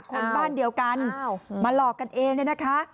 คนบ้านเดียวกันมาหลอกกันเองเนี่ยนะคะ